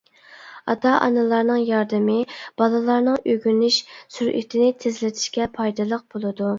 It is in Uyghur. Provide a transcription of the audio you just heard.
ئاتا-ئانىلارنىڭ ياردىمى بالىلارنىڭ ئۆگىنىش سۈرئىتىنى تېزلىتىشكە پايدىلىق بولىدۇ.